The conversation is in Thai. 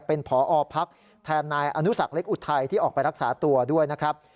เป็นผอพักแทนนายอนุสักเล็กอุทัยที่ออกไปรักษาตัวด้วยนะครับ